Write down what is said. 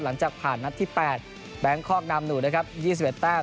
หลังจากผ่านนัดที่๘แบงคอกนำหนูนะครับ๒๑แต้ม